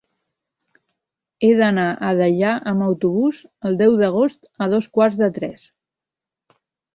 He d'anar a Deià amb autobús el deu d'agost a dos quarts de tres.